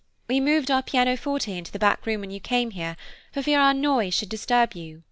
We moved our pianoforte into the back room when you came here, for fear our noise should disturb you."